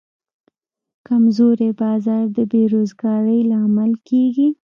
کمزوری بازار د بیروزګارۍ لامل کېږي.